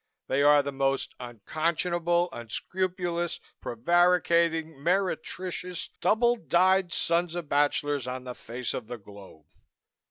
They are the most unconscionable, unscrupulous, prevaricating, meretricious double dyed sons of bachelors on the face of the globe.